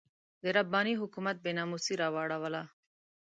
د رباني حکومت بې ناموسي راواړوله.